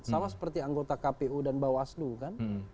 sama seperti anggota kpu dan bawaslu kan